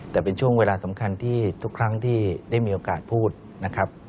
แต่เป็นช่วงเวลาสำคัญที่ทุกครั้งที่ได้มีโอกาสพูดนะครับ